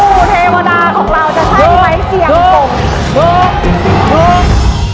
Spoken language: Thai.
ปู่เทวดาของเราจะใช่ไหมเสียงกง